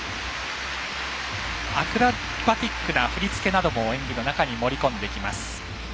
アクロバティックな振り付けなども演技の中に盛り込んできます。